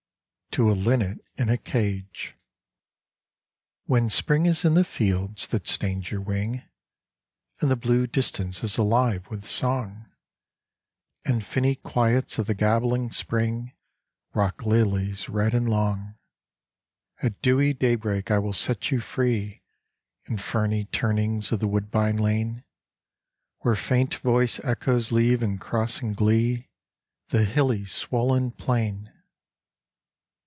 TO A LINNET IN A CAGE When Spring is in the fields that stained your wing, , And the blue distance is alive with song, And finny quiets of the gabbling spring Rock lilies red and long, At dewy daybreak, I will set you free In ferny turnings of the woodbine lane. Where faint voiced echoes leave and cross in glee The hilly swollen plain.